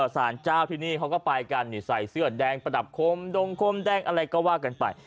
สารเจ้าที่นี่เขาก็ไปกันใส่เสื้อแดงประดับคมดงคมแดงอะไรก็ว่ากันไป